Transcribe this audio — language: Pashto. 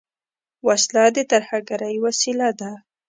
وسله د ترهګرۍ وسیله ده